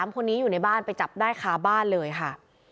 ๓คนนี้อยู่ในบ้านไปจับได้คาบ้านเลยค่ะ